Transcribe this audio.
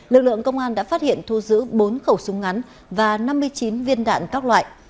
lực lượng công an đã phát hiện thu giữ bốn khẩu súng ngắn và năm mươi chín viên đạn các loại